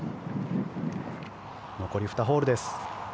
残り２ホールです。